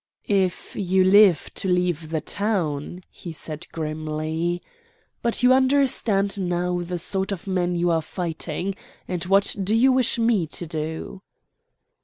"If you live to leave the town," he said grimly. "But you understand now the sort of men you are fighting. And what do you wish me to do?"